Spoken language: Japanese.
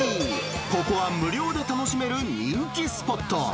ここは無料で楽しめる人気スポット。